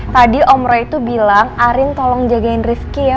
tapi om roy itu bilang arin tolong jagain rifki ya